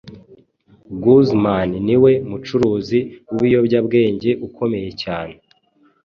Guzman niwe mucuruzi w'ibiyobyabwenge ukomeye cyane